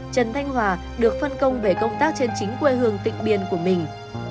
trần thanh hòa được phân công về công tác trên chính quê hương tỉnh biên của mình